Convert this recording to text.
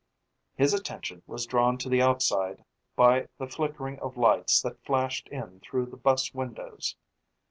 His attention was drawn to the outside by the flickering of lights that flashed in through the bus windows.